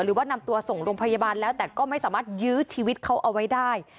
หรือว่านำตัวส่งโรงพยาบาลแล้วแต่ก็ไม่สามารถยื้อชีวิตเขาเอาไว้ได้